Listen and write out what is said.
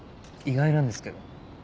意外なんですけど。